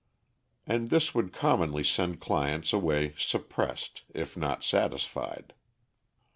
And this would commonly send clients away suppressed, if not satisfied.